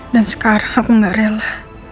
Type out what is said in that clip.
dan sekarang aku gak rela